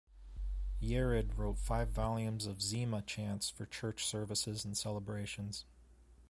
Yared wrote five volumes of "Zema" chants for church services and celebrations.